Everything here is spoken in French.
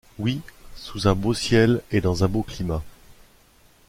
Oui, sous un beau ciel et dans un beau climat